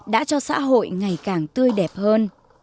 đã cho xã hội ngày càng tươi đẹp hơn